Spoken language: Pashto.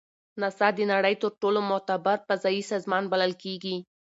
ناسا د نړۍ تر ټولو معتبر فضایي سازمان بلل کیږي.